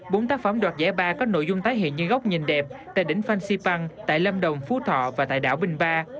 bốn tác phẩm đoạt giải ba có nội dung tái hiện những góc nhìn đẹp tại đỉnh phan xipang tại lâm đồng phú thọ và tại đảo bình ba